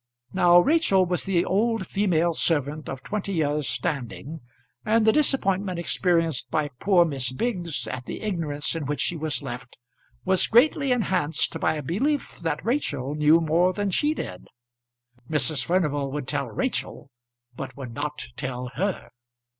Now Rachel was the old female servant of twenty years' standing; and the disappointment experienced by poor Miss Biggs at the ignorance in which she was left was greatly enhanced by a belief that Rachel knew more than she did. Mrs. Furnival would tell Rachel but would not tell her.